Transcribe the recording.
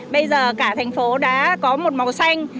bây giờ cả thành phố đã có một màu xanh